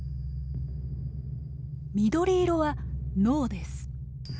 緑色は脳です。